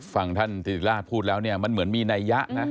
ฟังท่านติราชพูดแล้วเนี่ยมันเหมือนมีนัยยะนะ